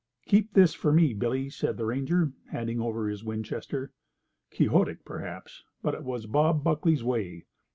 "Keep this for me, Billy," said the ranger, handing over his Winchester. Quixotic, perhaps, but it was Bob Buckley's way.